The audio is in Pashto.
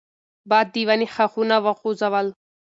باد د ونې ښاخونه وخوځول.